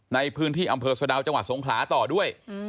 ในพื้นที่อำเภอสะดาวจังหวัดสงขลาต่อด้วย